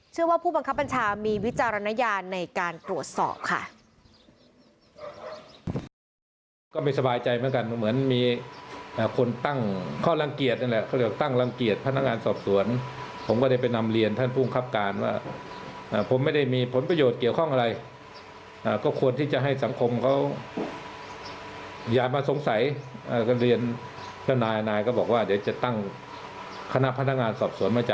ว่าผู้บังคับบัญชามีวิจารณญาณในการตรวจสอบค่ะ